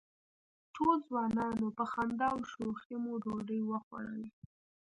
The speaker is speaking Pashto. ټول ځوانان وو، په خندا او شوخۍ مو ډوډۍ وخوړله.